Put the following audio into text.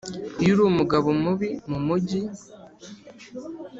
iyo uri umugabo mubi mumujyi